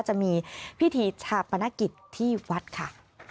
จะมีพิธีชาปนกิจที่วัดค่ะ